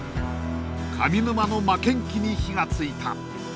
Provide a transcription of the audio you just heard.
上沼の負けん気に火がついた。